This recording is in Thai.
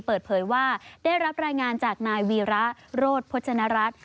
เปิดเผยว่าได้รับรายงานจากนายวีระโรธพจนรัฐ